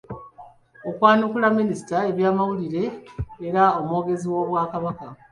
Okwanukula minisita w’ebyamawulire era omwogezi w’Obwakabaka.